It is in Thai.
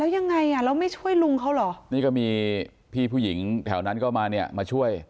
ยังไงอ่ะแล้วไม่ช่วยลุงเขาเหรอนี่ก็มีพี่ผู้หญิงแถวนั้นก็มาเนี่ยมาช่วย